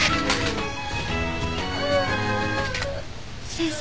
先生。